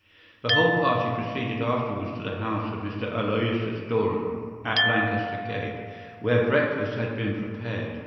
The whole party proceeded afterwards to the house of Mr. Aloysius Doran, at Lancaster Gate, where breakfast had been prepared.